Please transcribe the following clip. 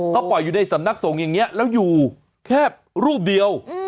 เขาปล่อยอยู่ในสำนักสงฆ์อย่างนี้แล้วอยู่แค่รูปเดียว